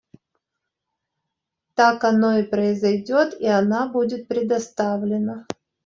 Так оно и произойдет, и она будет предоставлена.